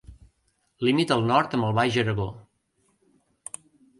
Limita al nord amb el Baix Aragó.